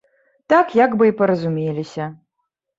Так як бы і паразумеліся.